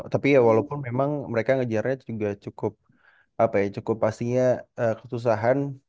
tapi ya walaupun memang mereka ngejarnya juga cukup pastinya ketusahan